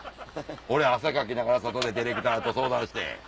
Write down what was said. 俺汗かきながら外でディレクターと相談して。